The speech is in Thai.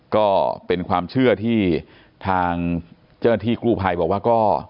ก็เป็นความเชื่อที่ทางเจ้าหน้าที่กู้ภัยบอกว่าก็